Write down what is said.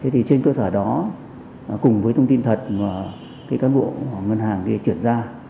trên cơ sở đó cùng với thông tin thật các bộ ngân hàng chuyển ra